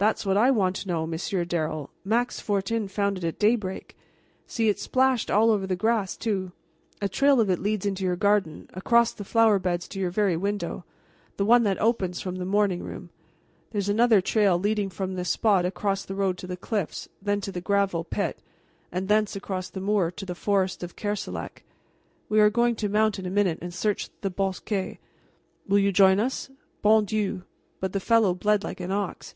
"That's what I want to know, Monsieur Darrel. Max Fortin found it at daybreak. See, it's splashed all over the grass, too. A trail of it leads into your garden, across the flower beds to your very window, the one that opens from the morning room. There is another trail leading from this spot across the road to the cliffs, then to the gravel pit, and thence across the moor to the forest of Kerselec. We are going to mount in a minute and search the bosquets. Will you join us? Bon Dieu! but the fellow bled like an ox.